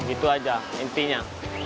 itu aja intinya